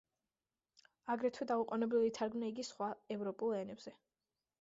აგრეთვე დაუყონებლივ ითარგმნა იგი სხვა ევროპულ ენებზე.